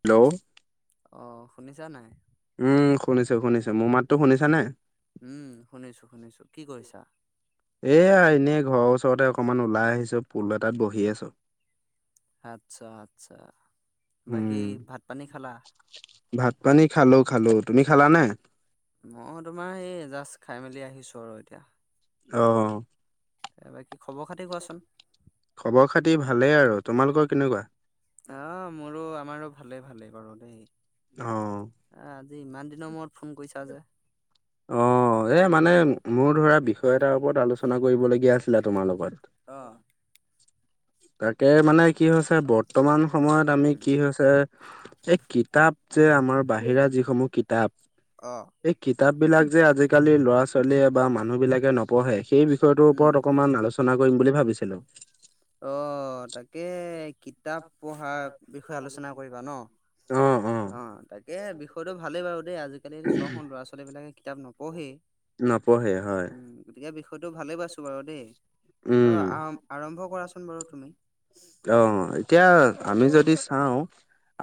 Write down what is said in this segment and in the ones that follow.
Hello অ', শুনিছা নাই? উম, শুনিছো শুনিছো, মোৰ মাততো শুনিছা নে? উম, শুনিছো শুনিছো, কি কৰিছা? এয়া এনেই ঘৰৰ ওচৰতে অকনমান ওলাই আহিছো, পুল এটাত বহি আছোঁ। আচ্ছা আচ্ছা, বাকী ভাত পানী খালা? ভাত পানী খালোঁ খালোঁ, তুমি খালানে? মই তোমাৰ এই, জাষ্ট খাই মেলি আহিছোঁ আৰু এতিয়া। অ', খবৰ খাতি ভালেই আৰু, তোমালোকৰ কেনেকুৱা? অ', মোৰো আমাৰো ভালে ভালেই বাৰু দেই। অ', আহ আজি ইমান দিনৰ মূৰত ফোন কৰিছা যে? অ', এ মানে মোৰ ধৰা বিষয় এটাৰ ওপৰত আলোচনা কৰিবলগীয়া আছিলে তোমাৰ লগত। অ', তাকে মানে কি হৈছে বৰ্তমান সময়ত আমি কি হৈছে এই কিতাপ যে আমাৰ বাহিৰা যিসমূহ কিতাপ অ। এই কিতাপবিলাক যে আজিকালি ল'ৰা - ছোৱালীয়ে বা মানুহবিলাকে নপঢ়ে সেই বি ত এইটোৰ ওপৰত অকনমান আলোচনা কৰিম বুলি ভাবিছিলো। অ তাকে কিতাপ পঢ়াৰ বিষয়ে আলোচনা কৰিবা ন? অ তাকে বিষয়টো ভালেই বাৰু দেই আজিকালি ছ খন ল'ৰা ছোৱালী ছোৱালীবিলাকে কিতাপ নপঢ়েই উম। গতিকে বিষয়টো ভালেই পাইছো বাৰু দেই, আৰু আৰ আৰম্ভ কৰাচোন বাৰু তুমি? অ, এতিয়া আমি যদি চাও,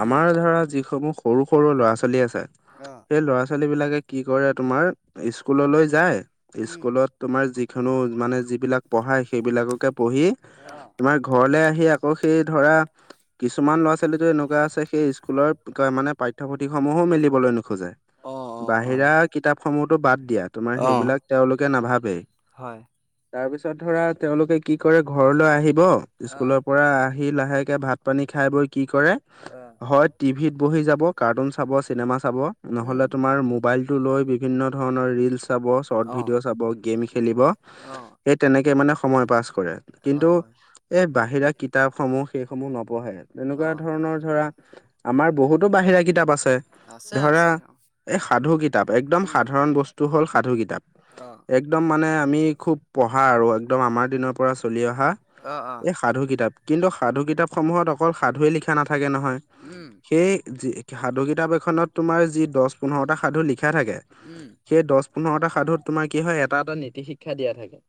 আমাৰ ধৰা যিসমূহ সৰু -সৰু ল'ৰা ছোৱালী আছে। অঁ। সেই ল'ৰা - ছোৱালীবিলাকে কি কৰে, তোমাৰ স্কুললৈ যায়, স্কুলত তোমাৰ যিখনো, মানে যিবিলাক পঢ়ায় সেইবিলাককে পঢ়ি তোমাৰ ঘৰলৈ আহি আকৌ সেই ধৰা, কিছুমান ল'ৰা - ছোৱালীটো এনেকুৱা আছে, সেই স্কুলৰ কয় মানে পাঠ্যপুথি সমূহো মেলিবলৈ নোখোজে, বাহিৰা কিতাপ সমূহতো বাদ দিয়া। তোমাৰ সেইবিলাক তেওঁলোকে নাভাবেই তাৰপিছ ছত ধৰা, তেওঁলোকে কি কৰে ঘৰলৈ আহিব, স্কুলৰ পৰা সি লাহেকে ভাত - পানী খাই বৈ কি কৰে, হয় টিভিত বহি যাব, কাৰ্টুন চাব, চিনেমা চাব, নহ'লে তোমাৰ মোবাইল টো লৈ বিভিন্ন ধৰণৰ ৰিলচ চাব, শৰ্ট ভিডিঅ' চাব, গেম খেলিব। সেই তেনেকে মানে সময় পাছ কৰে কিন্তু এই বাহিৰা কিতাপসমূহ সেইসমূহ নপঢ়ে, তেনেকুৱা ধৰণৰ ধৰা‌ আমাৰ বহুতো বাহিৰা কিতাপ আছে। ছে, ধৰা এই সাধু কিতাপ, একদম সাধাৰণ বস্তু হ'ল সাধু কিতাপ। অ। একদম মানে আমি খুব পঢ়া আৰু একদম আমাৰ দিনৰ পৰা চলি অহা অঁ আ। সাধু কিতাপ, কিন্তু সাধু কিতাপসমূহত অকল সাধুৱেই লিখা নাথাকে নহয়? উম। সেই, যি সাধু কিতাপ এখনত তোমাৰ যি দচ - পোন্ধৰটা সাধু লিখা থাকে উম। সেই দচ -পোন্ধৰটা সাধুত তোমাৰ কি হয়, এটা এটা নীতি শিক্ষা দিয়া থাকে।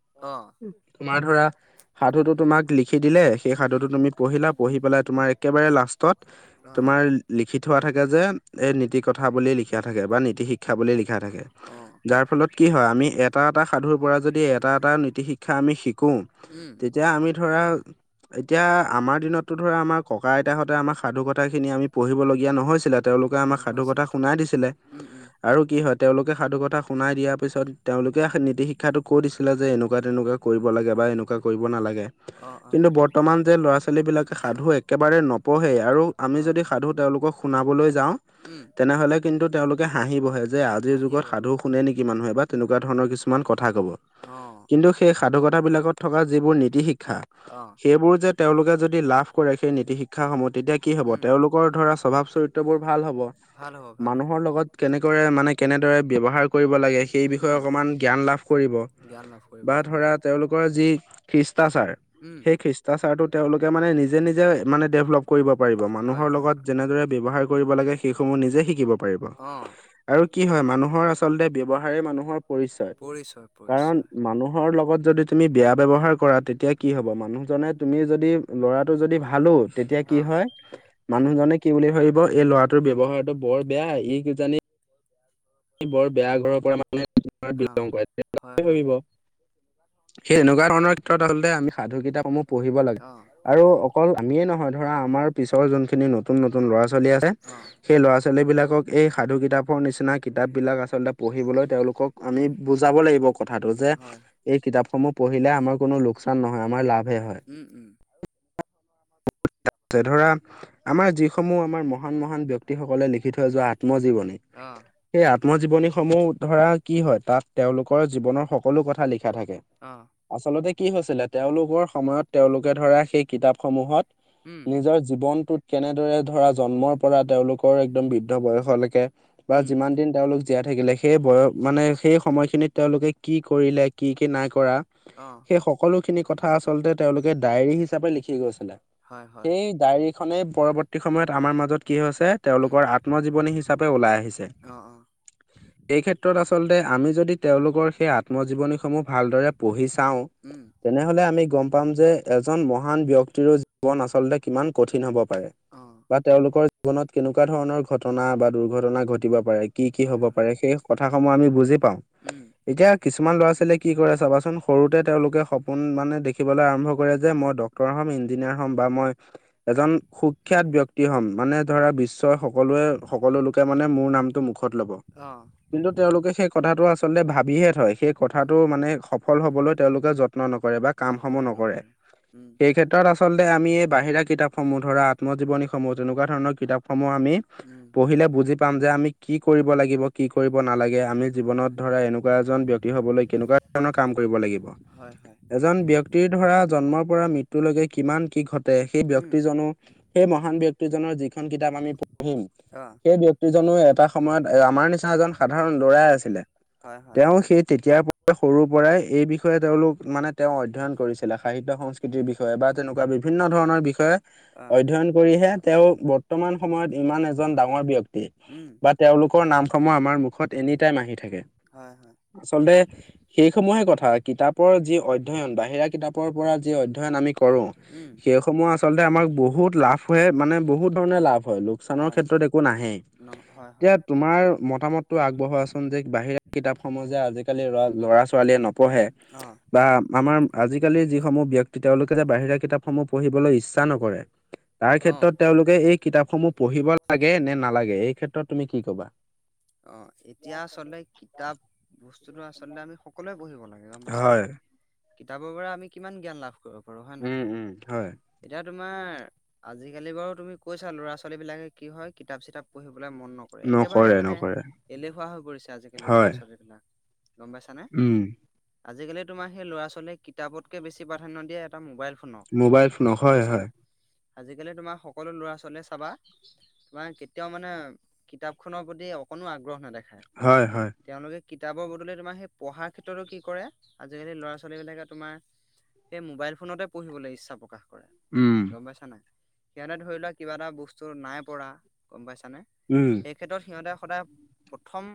তোমাৰ ধৰা, সাধুটো তোমাক লিখি দিলে, সেই সাধুটো তুমি পঢ়িলা, পঢ়ি পেলাই তোমাৰ একেবাৰে লাষ্টত তোমাৰ লিখি থোৱা থাকে যে, এই নীতি কথা বুলি লিখা থাকে বা নীতি শিক্ষা বুলি লিখি খা থাকে, যাৰ ফলত কি হয় আমি এটা এটা সাধুৰ পৰা যদি এটা এ টা নীতি শিক্ষা আমি শিকোঁ উম। তেতিয়া আমি ধৰা এতিয়া আমাৰ দিনতো ধৰা আমাৰ ককা- আইতাহঁতে আমাৰ সাধু কথাখিনি আমি পঢ়িব লগীয়া নহৈছিলে। তেওঁলোকে আমাক সাধু কথা শুনাই দিছিলে। আৰু কি হয় তেওঁলোকে সাধু কথা শুনাই দিয়াৰ পিছত, তেওঁলোকে নীতি শিক্ষাটো কৈ দিছ ছিলে যে এনেকুৱা তেনেকুৱা কৰিব লাগে বা এনেকুৱা কৰিব নালাগে। কিন্তু বৰ্তমান যে ল'ৰা - ছোৱালীবিলাকে সাধু একেবাৰে নপঢ়ে আৰু আমি যদি সাধু তেওঁলোকক শুনাবলৈ যাওঁ উম। তেনেহলে কিন্তু তেওঁলোকে হাঁহি বহে যে আজিৰ যুগত সাধু শুনে নেকি মানুহে বা তেনেকুৱা ধৰণৰ কিছুমান কথা ক'ব। অঁ। কিন্তু সেই সাধুকথা বিলাকত থকা যিবোৰ নীতি শিক্ষা, অ। সেইবোৰ যে তেওঁলোকে যদি লাভ কৰে, সেই নীতি শিক্ষাসমূহ তেতিয়া কি হব, তেওঁলোকৰ ধৰা স্বভাৱ চৰিত্ৰ বোৰ ভাল হব। মানুহৰ লগত কেনেকৰে মানে কেনেদৰে ব্যৱহাৰ কৰিব লাগে সেই বিষয়ে অকণমান জ্ঞান লাভ কৰিব। বা ধৰা তেওঁলোকৰ যি শিষ্টাচাৰ, সেই হিষ্টাচাৰটো তেওঁলোকে মানে নিজে নিজে মানে ডেভলপ কৰিব পাৰিব। মানুহৰ লগত কেনেদৰে ব্যৱহাৰ কৰিব লাগে সেইসমূহ নিজে শিকিব পাৰিব। আৰু কি হয়, মানুহৰ আচলতে ব্যৱহাৰে মানুহৰ পৰিচয়। কাৰণ মানুহৰ লগত যদি তুমি বেয়া ব্যৱহাৰ কৰা তেতিয়া কি হ'ব, মানুহজনে তুমি যদি লৰাটো যদি ভালো তেতিয়া কি হয়, মানুহজনে কি বুলি ভাবিব এই ল'ৰাটোৰ ব্যৱহাৰ বৰ বেয়া, ই কিজানি বৰ বেয়া ঘৰৰ পৰা মানুহে বিলং কৰে বুলিয়ে ভাবিব। সেই এনেকুৱা ধৰণৰ ক্ষেত্ৰত আচলতে আমি সাধু কিতাপসমূহ পঢ়িব লাগে। আৰু অকল আমিয়ে নহয় ধৰা আমাৰ পিছৰ যোনখিনি নতুন নতুন ল'ৰা ছোৱালী আছে, সেই ল'ৰা ছোৱালী বিলাকক এই সাধু কিতাপৰ নিচিনা কিতাপ বিলাক আছে আচলতে পঢ়িবলৈ তেওঁলোকক আমি বুজাব লাগিব কথাটো। যে এই কিতাপসমূহ পঢ়িলে আমাৰ কোনো লোকচান নহয় আমাৰ লাভহে হয়। [unintelligible] ধৰা আমাৰ যিসমূহ আমাৰ মহান মহান ব্যক্তিসকলে লিখি অ। সেই আত্মজীৱনীসমূহ ধৰা কি হয়, তাত তেওঁলোকৰ জীৱনৰ সকলো কথা লিখা থাকে। আচলতে কি হৈছিলে, তেওঁলোকৰ সময়ত তেওঁলোকে ধৰা সেই কিতাপ সমূহত নিজৰ জীৱনটোত কেনেদৰে ধৰা জন্মৰ পৰা তেওঁলোকৰ একদম বৃদ্ধ বয়সলৈকে যিমান দিন তেওঁলোক জীয়াই থাকিলে, সেই বয়- মানে সেই সময়খিনিত তেওঁলোকে কি কৰিলে, কি কি নাই কৰা, সেই স সকলোখিনি কথা আচলতে তেওঁলোকে ডায়েৰী হিচাপে লিখি গৈছিলে। হয় হয়। সেই ডায়েৰীখনেই পৰৱৰ্তী সময়ত আমাৰ মাজত কি হৈছে, তেওঁলোকৰ আত্মজীৱনী হিচাপে ওলাই আহিছে। অ অ। এই ক্ষেত্ৰত আচলতে আমি যদি তেওঁলোকৰ সেই আত্মজীৱনীসমূহ ভালদৰে পঢ়ি চাওঁ, উম। তেনেহলে আমি গম পাম যে এজন মহান ব্যক্তিৰো জীৱন আচলতে কিমান কঠিন হব পাৰে। অ। বা তেওঁলোকৰ জীৱনত কেনেকুৱা ধৰণৰ ঘটনা বা দুৰ্ঘটনা ঘটিব পাৰে। কি কি হ'ব পাৰে সেই কথামূহ আমি বুজি পাম। উম। এতিয়া কিছুমান ল'ৰা ছোৱালীয়ে কি কৰে চাবাচোন, সৰুতে তেওঁলোকে সপোন মানে দেখিবলৈ আৰম্ভ কৰে যে মই ডক্ট ক্টৰ হ'ম, ইঞ্জিনিয়াৰ হ'ম বা মই এজন সুখ্যাত ব্যক্তি হম, মানে ধৰা বিশ্বৰ সকলোৱে সকলো লোকে মানে মোৰ নামটো মুখত ল'ব। কিন্তু তেওঁলোকে সেই কথাটো আচলতে ভাবিহে থয়। সেই কথাটো মানে সফল হবলৈ তেওঁলোকে যত্ ত্ন নকৰে বা কামসমূহ নকৰে। এই ক্ষেত্ৰত আচলতে আমি এই বাহিৰা কিতাপসমূহ ধৰা আত্মজীৱনী সমূহ তেনেকুৱা ধৰণৰ কিতাপসমূহ আমি পঢ়িলে বুজি পাম যে আমি কি কৰিব লাগিব, কি কৰিব নালাগে, আমি জীৱনত ধৰা এনেকুৱা এজন ব্যক্তি হবলৈ কেনেকুৱা ধৰণৰ কাম কৰিব লাগিব। হয় হয়। এজন ব্যক্তিৰ ধৰা জন্মৰ পৰা মৃত্যুলৈকে কিমান কি ঘটে, সেই ব্যক্তি জনো সেই মহান ব্যক্তিজনৰ যিখন কিতাপ আমি পঢ়োঁ, সেই ব্য এটা সময়ত আমাৰ নিচনা এজন সাধাৰণ লৰাই আছিলে। তেওঁ সেই তেতিয়াৰ পৰা সৰুৰ পৰাই এই বিষয়ে তেওঁলোক মানে তেওঁ অধ্যয়ন কৰিছিলে সাহিত্য সং সংস্কৃতিৰ বিষয়ে বা তেনেকুৱা বিভিন্ন ধৰণৰ বিষয়ে অধ্যয়ন কৰিহে তেওঁ বৰ্তমান সময়ত ইমান এজন ডাঙৰ ব্যক্তি উম। বা তেওঁলোকৰ নামসমূহ আমাৰ মুখত এনি টাইম আহি থাকে। হয়, হয়। আচলতে। সেইসমূহে কথা কিতাপৰ যি অধ্যয়ন, বাহিৰা কিতাপৰ পৰা যি অধ্যয়ন আমি কৰো সেইসমূহ আচলতে আমাক বহুত লাভ হয় মানে বহুত ধৰণে লাভ হয়। লোকচানৰ ক্ষেত্ৰত একো নাহে নহ হয় এতিয়া তোমাৰ মতামতটো আগবঢ়োৱাচোন যে বাহিৰা কিতাপ সমূহ যে আজিকালি লৰা-ল'ৰা ছোৱালীয়ে ন পঢ়ে, বা আমাৰ আজিকালি যিসমূহ ব ব্যক্তি তেওঁলোকে যে বাহিৰা কিতাপসমূহ পঢ়িবলৈ ইচ্ছা নকৰে তাৰ ক্ষেত্ৰত তেওঁলোকে এই কিতাপসমূহ পঢ়িব লাগে নে নালাগে এই ক্ষেত্ৰত তুমি কি কবা? অ এতিয়া আচলতে কিতাপ, বস্তুটো আচলতে আমি সকলোৱে পঢ়িব লাগে গম পাইছা নাই কিতাপৰ পৰা আমি কিমান জ্ঞান লাভ কৰিব পাৰো হয় নহয়? এতিয়া তোমাৰ আজিকালি বাৰু তুমি কৈছা ল'ৰা- ছোৱালী বিলাকে কি হয় কিতাপ- চিতাপ পঢ়িবলৈ মন নকৰে, একেবাৰে মানে এলেহুৱা হৈ পৰিছে আজিকালি ল'ৰা- ছোৱালী বিলাক গম পাইছানে? আজিকালি তোমাৰ সেই ল'ৰা -ছোৱালীয়ে কিতাপতকে বেছি প্ৰাধান্য দিয়ে টা মোবাইল ফোনক, গম পাইছানে নাই? আজিকালি তোমাৰ সকলো ল'ৰা ছোৱালীয়ে চাবা, তোমাৰ কেতিয়াও মানে কিতাপখনৰ প্ৰতি অকনো আগ্ৰহ নেদেখায়। তেওঁলোকে কিতাপৰ বদলি তোমাৰ সেই পঢ়াৰ ক্ষেত্ৰতো কি কৰে আজিকালি ল'ৰা ছোৱালী বিলাক তোমাৰ, সেই মোবাইল ফোনতে পঢ়িবলৈ ইচ্ছা প্ৰকাশ কৰে গম পাইছা নাই? সিহঁতে ধৰি লোৱা কিবা এটা বস্তু নাই পৰা গম পাইছানে, সেই ক্ষেত্ৰত সিহঁতে প্ৰথম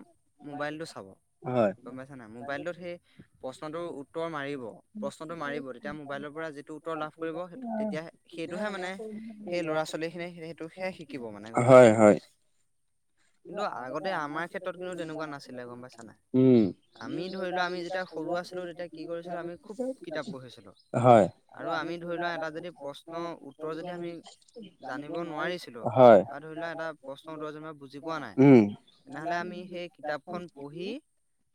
মোবাইলটো চাব। গম পাইছা নাই মোবাইলটোত সেই প্ৰশ্নটোৰ উত্তৰ মাৰিব, প্ৰশ্নটো মাৰি তেতিয়া মোবাইলৰ পৰা যিটো উত্তৰ লাভ কৰিব সেইটো তেতিয়া সেইটোহে মানে সেই ল'ৰা ছোৱালী খিনি সেইটোহে শিকিব মানে গম পাইছ নে? কিন্তু আগতে আমাৰ ক্ষেত্ৰত কিন্তু তেনেকুৱা নাছিলে, গম পাইছা নাই? আমি ধৰিলোৱা আমি যেতিয়া সৰু আছিলো তেতিয়া কি কৰিছিলো আমি খুব কিতাপ পঢ়িছিলো আৰু আমি ধৰি লোৱা এটা যদি প্ৰশ্নৰ উত্তৰ যদি আমি জানিব নোৱাৰিছিলো বা ধৰি লোৱা এটা প্ৰশ্ন উত্তৰ যে বুজি পোৱা নাই তেনেহলে আমি সেই কিতাপখন পঢ়ি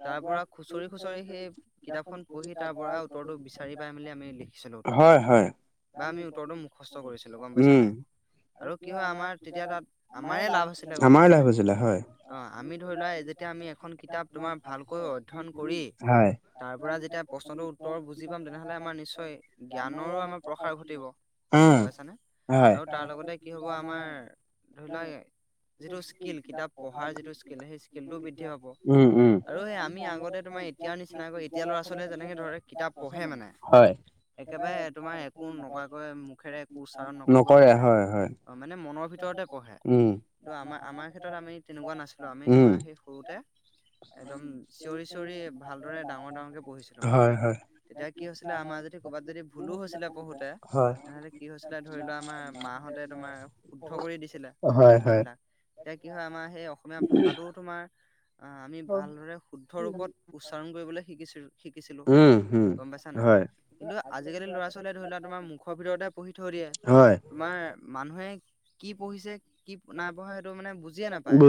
তাৰ পৰা খু খুচৰি খুচৰি সেই কিতাপখন পঢ়ি, তাৰ পৰা উত্তৰটো বিচাৰি পাই মেলি আমি লিখিছিলো উত্তৰটো বা আমি উত্তৰতো মুখস্থ কৰিছিলো গম পাইছা নাই? আৰু কি হয় আমাৰ তেতিয়া তাত আমাৰ লাভ আছিলে গম পাইছানে? ছিলে হয় অ, আমি ধৰি লোৱা যেতিয়া আমি এখন কিতাপ তোমাৰ ভালকৈ অ ধ্যয়ন কৰি, তাৰ পৰা যেতিয়া প্ৰশ্নটো উওৰ বুজি পাম তেনেহ'লে আমাৰ নিশ্চয় জ্ঞানৰো আমাৰ প্ৰসাৰ ঘটিব গম পাইছানে? আৰু তাৰ লগতে কি হ'ব আমাৰ ধৰি লোৱা য়ে যিটো স্কিল কিতাপ পঢ়াৰ যিটো স্কিল সেই স্কিল টোও বৃদ্ধি পাব আৰু সেই আমি আগতে তোমাৰ এতিয়াৰ নিচিনাকৈ এতিয়া ল'ৰা ছোৱালীয়ে যেনেকৈ ধৰে কিতাপ পঢ়ে মানে একেবাৰে তোমাৰ একো নকৰাকৈ মুখেৰে একো উচ্চাৰণ নকৰাকৈ পঢ়ে অ মানে মনৰ ভিতৰতে পঢ়ে। উ'ম। ত আমাৰ আমাৰ ক্ষেত্ৰত আমি তেনেকুৱা নাছিলোঁ আমি তোমাৰ সেই সৰুতে একদম চিঞৰি চিঞৰি ভালদৰে ডাঙৰ ডাঙৰকে পঢ়িছিলোঁ মানে। তেতিয়া কি হৈছিলে আমাৰ যদি ক'ৰবাত যদি ভুলো হৈছিলে পঢ়োতে। হয়। এনেহতে কি হৈছিলে ধৰি লোৱা আমাৰ মাহঁতে তোমাৰ শুদ্ধ কৰি দিছিলে কথাবিলাক। এতিয়া কি হয় আমাৰ সেই অসমীয়া ভাষাটোও তোমাৰ। আমি ভালদৰে শুদ্ধ ৰূপত উচ্চাৰণ কৰিবলৈ শিকিছিলোঁ শিকিছিলোঁ। উম হয়। কিন্তু আজিকালি ল'ৰা ছোৱালীয়ে ধৰি লোৱা তোমাৰ মুখৰ ভিতৰতে পঢ়ি থৈ দিয়ে। তোমাৰ মানুহে কি পঢ়িছে কি নাই পঢ়া সেইটো মানে বুজিয়ে নাপা পায়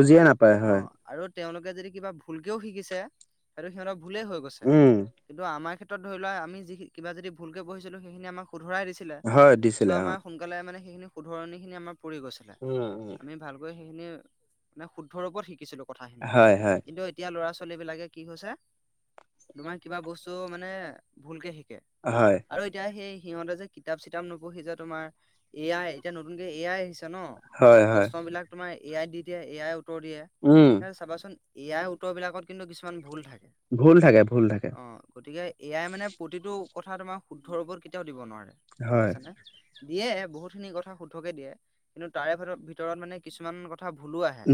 অ আৰু তেওঁলোকে যদি কিবা ভুলকেও শিকিছে। সেটো সিহঁত ভুলেই হৈ গৈছে। কিন্তু আমাৰ ক্ষেত্ৰ ধৰি লোৱা আমি যি কিবা যদি ভুলকে পঢ়িছিলোঁ সেইখিনি আমাক শুধৰাই দিছিল। ছিলে চ' আমাৰ সোনকালে মানে সেইখিনি শুধৰণ খিনি আমাৰ পৰি গৈছিলে আমি। ভালকৈ সেইখিনি। মানে শুদ্ধ ৰূপত শিকিছিলোঁ কথাখিনি কিন্তু এতিয়া ল'ৰা ছোৱালী বিলাকে কি হৈছে। তোমাৰ কিবা বস্তু মানে ভুলকে শিকে আৰু এতিয়া সেই সিহঁতে যে। কিতাপ চিতাপ নপঢ়ি যে তোমাৰ এ আই এতিয়া নতুনকে এ আই আহিছে ন প্ৰশ্ন বিলাক। তোমাৰ এ আই দি দিয়ে এ আই উত্তৰ দিয়ে সেয়াই চাবাচোন। এ আই উত্তৰবিলাকত কিন্তু কিছুমান ভুল থাকে। ভুল থাকে ভুল থাকে। অ গতিকে এয়াই মানে প্ৰতিটো কথা তোমাৰ শুদ্ধৰ ওপৰত কেতিয়াও দিব নোৱাৰে বাইছানে। দিয়ে বহুত খিনি কথা সুদ্ধকে দিয়ে। কিন্তু তাৰে ভিতৰত ভিতৰত মানে কিছুমান কথা। ভুলো আহে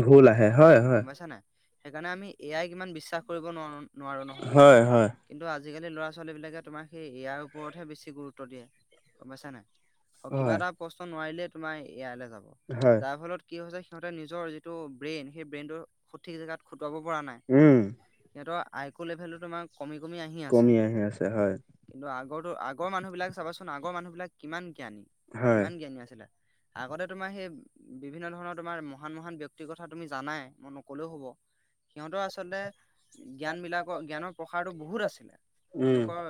গম পাইছা নাই। সেইকাৰণে আমি এয়াই ইমান বিশ্বাস কৰিব ন নোৱাৰোঁ নহয়। কিন্তু আজিকালি ল'ৰা ছোৱালীবিলাকে তোমাক সেই ইয়াৰ ওপৰতহে বেছি গুৰুত্ব দিয়ে গম পাইছা নাই। অ কিবা এটা প্ৰশ্ন নোৱাৰিলে তোমাৰ এয়াইলে যাব যাৰ ফলত কি হৈছে সিহঁত। সিহঁত নিজৰ যিটো ব্ৰেইন সেই ব্ৰেইনতটো সঠিক জেগাত খটুৱাব পৰা নাই। উ'ম। সিহঁতৰ আইকো লেভেলটো তোমাৰ কমি কমি আহি আছে। কিন্তু আগতো আগৰ মানুহবিলাক চাবাচোন আগৰ মানুহবিলাক কিমান জ্ঞানী কিমান জ্ঞানী আছিলে। আগতে তোমাৰ সেই বিভিন্ন ধৰণৰ তোমাৰ। মহান মহান ব্যয়ক্তিৰ কথা তুমি জানাই মই নকলেওঁ হ'ব সিহঁতৰ আচলতে। জ্ঞান বিলাকৰ জ্ঞানৰ প্ৰসাৰতটো বহুত আছিলে। তেওঁলোকৰ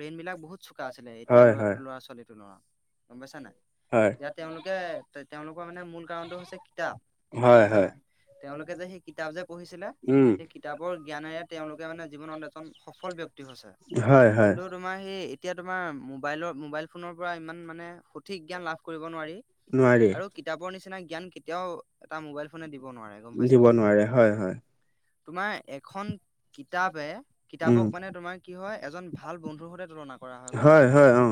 ব্ৰেইনবিলাক বহুত চোকা আছিলে। এতিয়া ল ল'ৰা ছোৱালীটো গম পাইছা নাই তেতিয়া তেওঁলোকে তেওঁলোকৰ মানে মূল কাৰণটো হৈছে। কিতাপ গুম পাইছা নাই তেওঁলোকে যে সেই কিতাপ যে পঢ়িছিলে। সেই কিতাপৰ জ্ঞানেৰে তেওঁলোকে মানে জীৱনত এজন সফল ব্যক্তি হৈছে। হয়, হয়। তোমাৰ সেই এতিয়া তোমাৰ মোবাইল ফন পৰা ইমান মানে। সঠিক জ্ঞান লাভ কৰিব নোৱাৰি আৰু কিতাপৰ নিচিনা জ্ঞান কেতিয়াও এটা মোবাইল ফোনে দিব নোৱাৰে। দিব নোৱাৰে হয়, হয়। তোমাৰ এখন কিতাপে কিতাপক মানে তোমাৰ কি হয়, এজন ভাল বন্ধুৰ সৈতে তুলনা কৰা হয়। হয়, হয়, উ।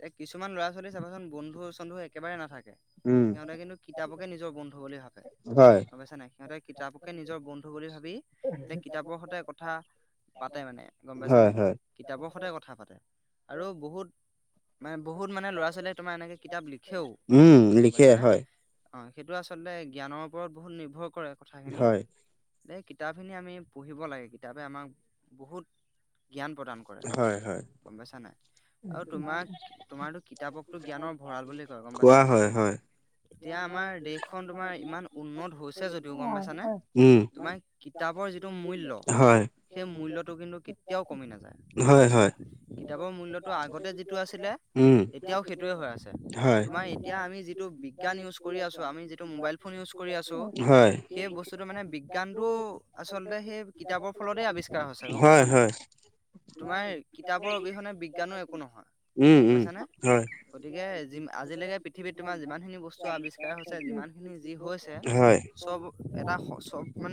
এ কিছুমান ল'ৰা ছোৱালী চাবাচোন বন্ধু চন্ধু একেবাৰে নাথাকে। সিহঁতে কিন্তু কিতাপক- নিজৰ বন্ধু বুলি ভাবে গমপাইছা নাই, সিহঁতে কিতাপকে নিজৰ বন্ধু বুলি ভাবি। এ কিতাপৰ সতে কথা পাতে মানে গম পাইছানে। কিতাপৰ সতে কথা পাতে আৰু বহুত মানে বহুত মানে ল'ৰা ছোৱালীয়ে তোমাৰ এনেকে কিতাপ লিখেও গম পাইছানে। অ সেইটো আচলতে জ্ঞানৰ ওপৰত বহুত নিৰ্ভৰ কৰে কথাখিনি। এই কিতাপখিনি আমি পঢ়িব লাগে। কিতাপে আমাক বহুত জ্ঞান প্ৰদান হয়, হয়। গম পাইছা নাই আৰু তোমাক তোমাৰতো কিতাপকতো জ্ঞানৰ ভঁৰাল বুলি কয়, গম পাইছা নাই। এতিয়া আমাৰ দেশখন তোমাৰ ইমান উন্নত হৈছে যদিও, গম পাইছানে তোমাৰ কিতাপৰ যিটো মূল্যয় সেই মূল্যয়টো কিন্তু কেতিয়াও কমি নাযায় গমপাইছা নাই। কিতাপৰ মূল্যয়তটো আগতে যিটো আছিলে এতিয়াও সেইটোৱে হৈ আছে। তোমাৰ এতিয়া আমি যিটো বি বিজ্ঞান ইউজ কৰি আছো। আমি যিটো মোবাইল ফোন ইউজ কৰি আছো। সেই বস্তুতটো মানে বিজ্ঞানতটো আচলতে সেই কিতাপৰ ফলতে আৱিষ্কাৰ হৈছে গম পাইছা নাই। তোমাৰ কিতাপৰ অবিহনে বি বিজ্ঞান একো নহয় গম পাইছা নে গতিকে আজিলৈকে পৃথিৱীত তোমাৰ যিমান খিনি বস্তু আৱিষ্কাৰ হৈছে যিমানখিনি যি হৈছে চব এটা চব মানে